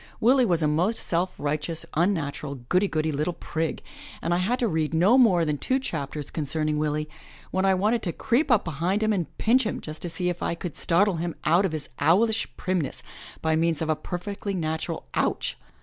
Willie was a most self righteous, unnatural, goody goody little prig, and I had read no more than two chapters concerning Willie, when I wanted to creep up behind him and pinch him just to see if I could startle him out of his owlish primness by means of a perfectly natural Ouch!''